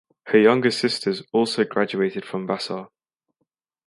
Her younger sisters also graduated from Vassar.